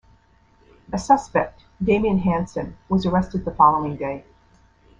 A suspect, Damien Hanson, was arrested the following day.